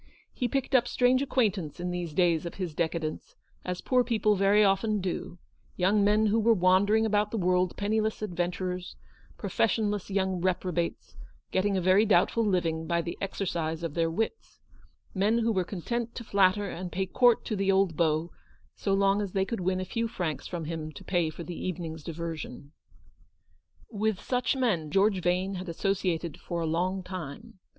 He picked up strange acquaintance in these days of his decadence, as poor people very often do : young men who were wandering about the world, penniless adventurers, profes sionless young reprobates, getting a very doubtful living by the exercise of their wits; men who were content to natter and pay court to the old beau so long as they could win a few francs from him to pay for the evening's diversion. With such men George Vane had associated foi 176 Eleanor's victory. a long time.